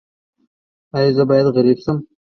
ایا زه باید غریب شم؟